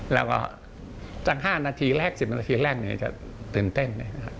แล้วก็ตั้ง๕นาทีแรก๑๐นาทีแรกจะตื่นเต้น